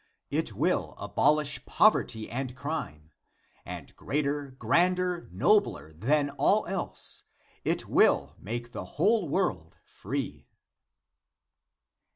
It will abolish poverty and crime, and greater, grander, nobler than all else, it will make the whole world free.